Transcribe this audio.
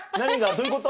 どういうこと？